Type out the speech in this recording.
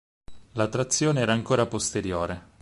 La trazione era ancora posteriore.